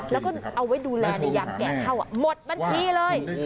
แล้วก็เอาไว้ดูแลในยามแกะเข้าหมดบัญชีเลย